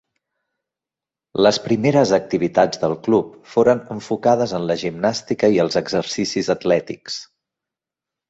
Les primeres activitats del club foren enfocades en la gimnàstica i els exercicis atlètics.